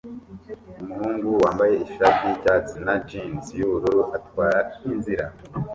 Umuhungu wambaye ishati yicyatsi na jans yubururu atwara inzira